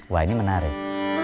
wah ini menarik